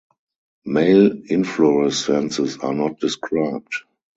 Male inflorescences are not described.